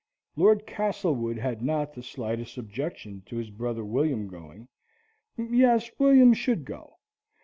Lord Castlewood had not the slightest objection to his brother William going yes, William should go.